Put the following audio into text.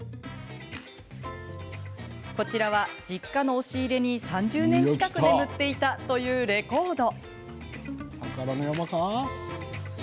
こちらは、実家の押し入れに３０年近く眠っていたというレコード。